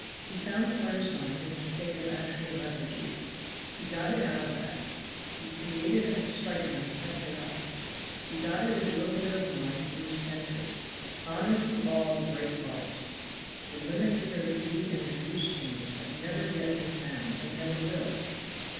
He found Carter's mind in a state of actual lethargy. He got it out of that; he created an excitement and kept it up. He got at his little bit of mind through his senses. Honor to all the great arts! The limit to their beauty and their usefulness has never yet been found and never will.